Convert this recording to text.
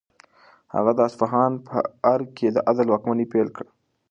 هغه د اصفهان په ارګ کې د عدل واکمني پیل کړه.